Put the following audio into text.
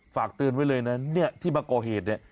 ฝากเตือนไว้เลยนะที่มาก่อเหตุ